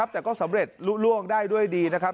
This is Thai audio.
แต่ก็สำเร็จลุล่วงได้ด้วยดีนะครับ